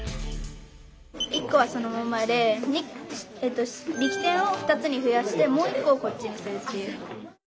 １個はそのままで力点を２つに増やしてもう一個をこっちにするっていう。